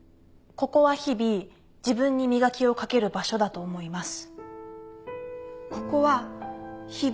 ここは日々自分に磨きをかける場所だと思います。